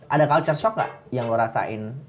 ada culture shock gak yang gue rasain